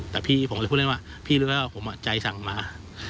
แต่พี่ผมก็เลยพูดเล่นว่าพี่เรียกว่าผมอ่ะใจสั่งมา